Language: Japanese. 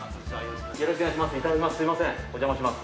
よろしくお願いします。